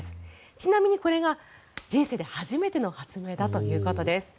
ちなみに、これが人生で初めての発明だということです。